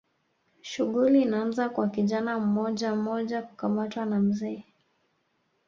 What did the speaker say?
Shughuli inaanza kwa kijana mmojammoja kukamatwa na mzee